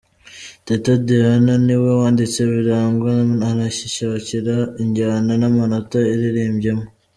Teta Diana ni we wanditse ‘Birangwa’ anayishakira injyana n’amanota iririmbyemo.